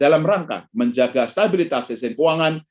dalam rangka menjaga stabilitas sistem keuangan